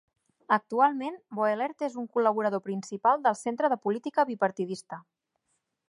Actualment Boehlert és un col·laborador principal del Centre de Política Bipartidista.